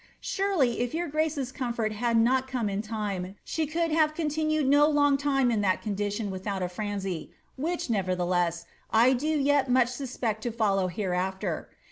Surely, if your grace's coraforf had not come in time, she could have continued no long time in that condition without a/ranry, which, nevertheless, I do yet much suspect to follow herenAer.